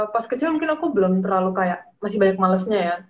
pas kecil mungkin aku belum terlalu kayak masih banyak malesnya ya